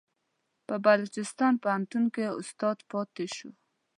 په بلوچستان پوهنتون کې استاد پاتې شو.